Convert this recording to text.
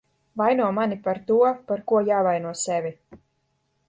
Vaino mani par to, par ko jāvaino sevi.